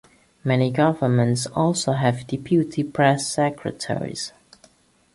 Many governments also have deputy press secretaries.